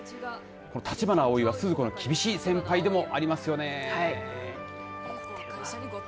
橘アオイは鈴子の厳しい先輩でもありますよね。